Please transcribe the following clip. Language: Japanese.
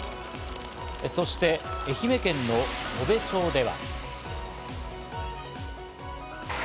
そして、愛媛県砥部町では。